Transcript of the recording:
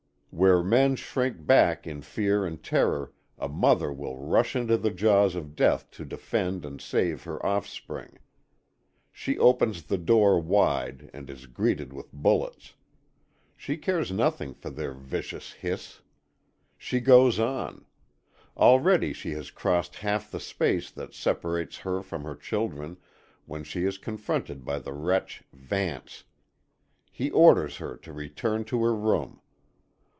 Where men shrink back in fear and terror a mother will rush into the jaws of death to defend and save her offspring. She opens the door wide and is greeted with bullets. She cares nothing for their vicious hiss. She goes on. Already she has crossed half the space that separates her from her children, when she is confronted by the wretch Vance. He orders her to return to her room.